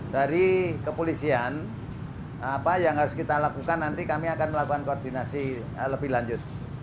dari kepolisian apa yang harus kita lakukan nanti kami akan melakukan koordinasi lebih lanjut